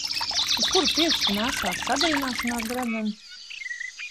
Uz kura pirksta nēsā saderināšānās gredzenu?